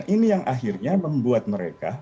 ini yang akhirnya membuat mereka